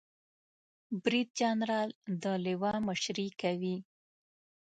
بریدجنرال د لوا مشري کوي